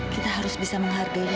kita harus bisa menghargainya